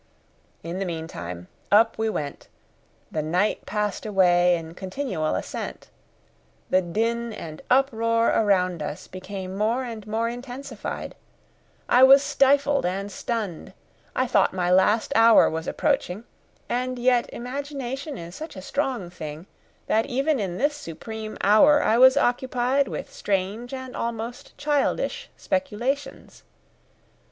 In the meantime up we went; the night passed away in continual ascent; the din and uproar around us became more and more intensified; I was stifled and stunned; I thought my last hour was approaching; and yet imagination is such a strong thing that even in this supreme hour I was occupied with strange and almost childish speculations.